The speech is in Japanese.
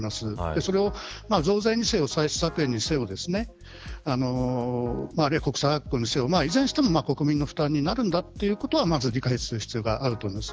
それを増税にせよ歳出削減にせよあるいは国債発行にせよいずれにしても国民の負担になるんだってことはまず理解する必要があると思います。